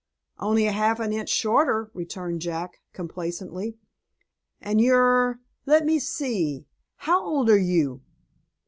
"Only half an inch shorter," returned Jack, complacently. "And you're let me see, how old are you?"